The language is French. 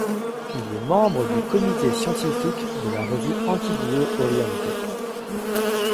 Il est membre du comité scientifique de la revue Antiguo Oriente.